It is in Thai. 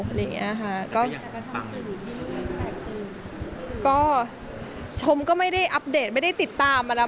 อะไรอย่างนี้ค่ะก็ก็ชมก็ไม่ได้อัปเดตไม่ได้ติดตามมันนะ